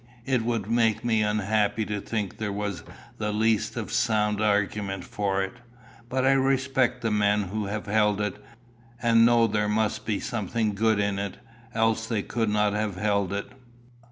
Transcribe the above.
It would make me unhappy to think there was the least of sound argument for it. But I respect the men who have held it, and know there must be something good in it, else they could not have held it."